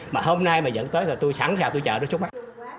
mà hôm nay mà dẫn tới là tôi sẵn sàng tôi chờ nó trước mắt